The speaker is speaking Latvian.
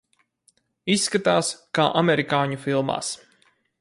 Izskatās, kā amerikāņu filmās.